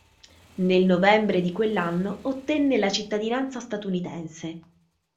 Nel novembre di quell'anno ottenne la cittadinanza statunitense.